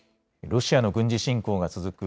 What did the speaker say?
ロシアの軍事侵攻が続く